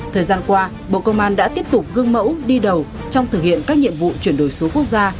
thời gian qua bộ công an đã tiếp tục gương mẫu đi đầu trong thực hiện các nhiệm vụ chuyển đổi số quốc gia